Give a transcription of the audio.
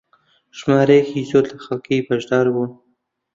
ژمارەیەکی زۆر لە خەڵک بەشدار بوون